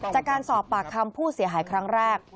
จากการสอบปากคำผู้เสียหายครั้งแรก